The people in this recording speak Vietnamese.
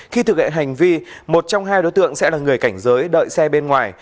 khi thực hành vi một trong hai đối tượng sẽ là người cảnh giới đợi xe bên ngoài